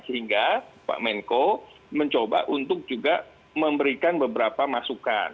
sehingga pak menko mencoba untuk juga memberikan beberapa masukan